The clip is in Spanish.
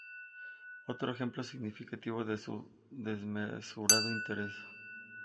Otro ejemplo significativo de su desmesurado interés